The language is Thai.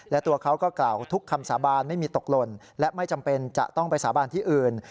และตัวเขาก็กล่าวทุกคำสาบานไม่มีตกหล่นและไม่จำเป็นจะต้องไปสาบานที่อื่น